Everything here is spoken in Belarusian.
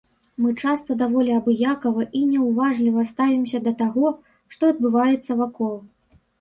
Мы часта даволі абыякава і няўважліва ставімся да таго, што адбываецца вакол.